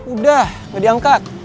udah ga diangkat